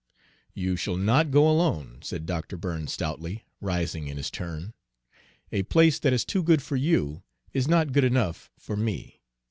"You shall not go alone," said Dr. Burns stoutly, rising in his turn. "A place that is too good for you is not good enough for me.